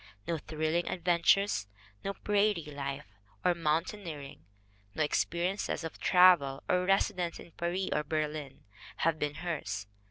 ... No thrilling adventures, no prairie life, or mountaineering, no ex periences of travel, or residence in 'Paris or Berlin, have been hers."